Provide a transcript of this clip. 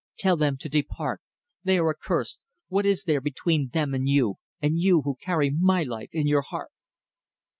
"Tell them to depart. They are accursed. What is there between them and you and you who carry my life in your heart!"